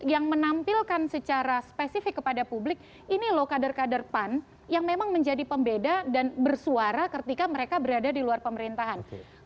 yang menampilkan secara spesifik kepada publik ini loh kader kader pan yang memang menjadi pembeda dan bersuara ketika mereka berada di luar pemerintahan